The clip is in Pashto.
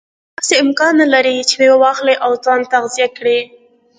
داسې امکان نه لري چې میوه واخلي او ځان تغذیه کړي.